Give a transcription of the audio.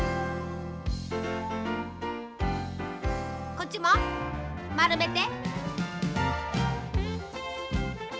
こっちもまるめて。